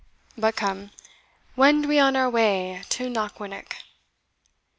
But come, wend we on our way to Knockwinnock."